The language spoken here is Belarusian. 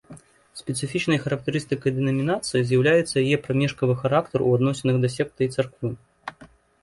Спецыфічнай характарыстыкай дэнамінацыі з'яўляецца яе прамежкавы характар у адносінах да секты і царквы.